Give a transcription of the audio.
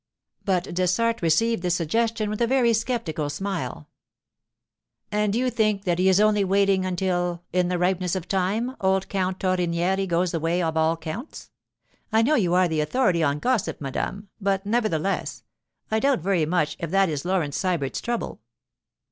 But Dessart received the suggestion with a very sceptical smile. 'And you think that he is only waiting until, in the ripeness of time, old Count Torrenieri goes the way of all counts? I know you are the authority on gossip, madame, but, nevertheless, I doubt very much if that is Laurence Sybert's trouble.